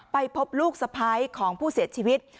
ไปพบลูกสะพ้ายของผู้เสียชีวิต